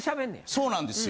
そうなんですよ。